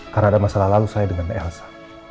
karena ada masalah lalu saya dengan elsa